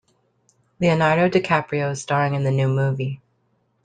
Leonardo DiCaprio is staring in the new movie.